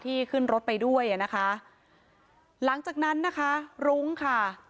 ขึ้นรถไปด้วยอ่ะนะคะหลังจากนั้นนะคะรุ้งค่ะ